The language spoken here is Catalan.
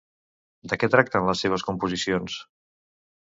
De què tracten les seves composicions?